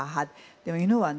でも犬はね